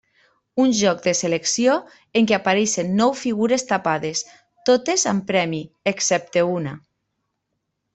Un joc de selecció, en què apareixen nou figures tapades, totes amb premi excepte una.